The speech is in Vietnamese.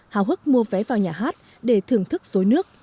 hào hức mua vé vào nhà hát để thưởng thức rối nước